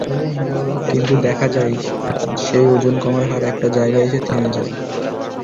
কিন্তু দেখা যায়, সেই ওজন কমার হার একটা জায়গায় এসে থেমে যায়।